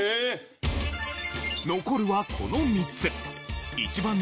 残るはこの３つ。